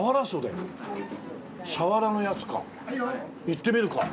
いってみるか。